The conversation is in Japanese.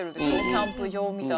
キャンプ場みたいな。